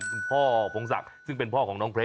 คุณพ่อพงศักดิ์ซึ่งเป็นพ่อของน้องเพล